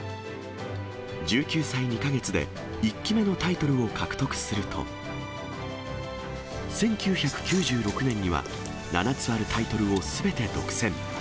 １９歳２か月で１期目のタイトルを獲得すると、１９９６年には、７つあるタイトルをすべて独占。